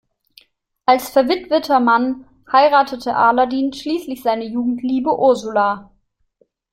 Als verwitweter Mann heiratete Aladin schließlich seine Jugendliebe Ursula.